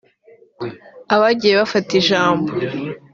Abagiye bafata ijambo